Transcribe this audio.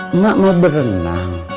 emak mau berenang